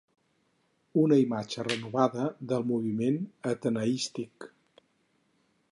Una imatge renovada del moviment ateneístic.